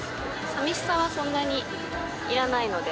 寂しさはそんなにいらないので。